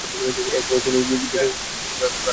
এসময় তিনি বেঁচে যাওয়া মূর্তির তিনটি আকার ব্যবহার করেন।